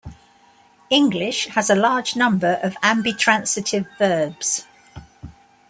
English has a large number of ambitransitive verbs.